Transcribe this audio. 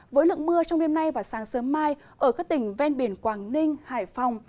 với lượng mưa trong đêm nay và sáng sớm mai ở các tỉnh ven biển quảng ninh hải phòng